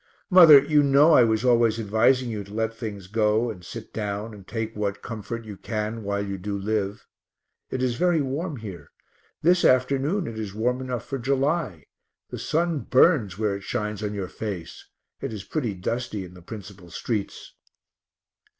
Mother, you know I was always advising you to let things go and sit down and take what comfort you can while you do live. It is very warm here; this afternoon it is warm enough for July the sun burns where it shines on your face; it is pretty dusty in the principal streets.